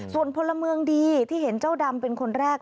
ส่วนพลเมืองดีที่เห็นเจ้าดำเป็นคนแรก